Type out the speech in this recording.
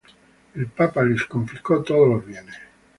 El papa les confiscó todos los bienes.